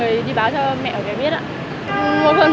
cô là bạn của mẹ mai